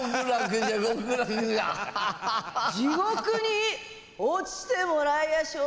地獄に落ちてもらいやしょう！